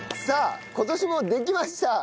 さあ今年もできました。